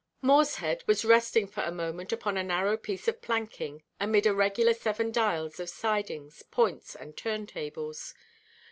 Morshead was resting for a moment upon a narrow piece of planking, amid a regular Seven Dials of sidings, points, and turn–tables.